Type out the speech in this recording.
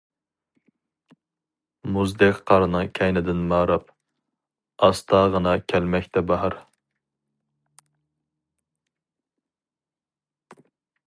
مۇزدەك قارنىڭ كەينىدىن ماراپ، ئاستاغىنا كەلمەكتە باھار.